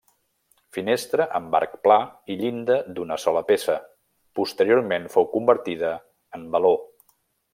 Finestra amb arc pla i llinda d'una sola peça, posteriorment fou convertida en baló.